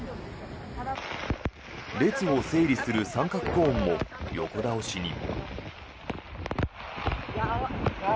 列を整理する三角コーンも横倒しに。